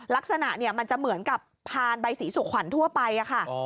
ลักษณะมันจะเหมือนกับพานใบสีสุขวัญทั่วไปค่ะ